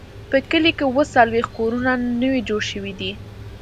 په کلي کې اووه څلوېښت کورونه نوي جوړ شوي دي.